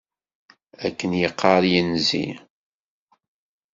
Akken yeqqaṛ yinzi.